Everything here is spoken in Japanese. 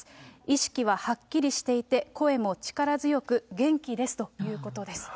意識ははっきりしていて、声も力強く元気ですということです。